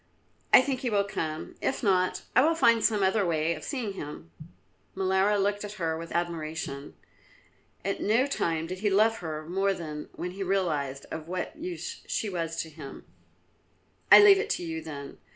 I think he will come; if not, I will find some other way of seeing him." Molara looked at her with admiration. At no time did he love her more than when he realised of what use she was to him. "I leave it to you, then.